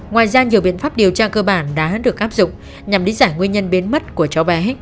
ngoài ra nhiều biện pháp điều tra cơ bản đã được áp dụng nhằm lý giải nguyên nhân biến mất của cháu bé